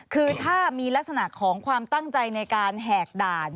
คือถ้ามีลักษณะของความตั้งใจในการแหกด่าน